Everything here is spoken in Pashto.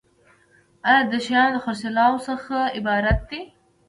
دا د شیانو د خرڅولو څخه عبارت دی.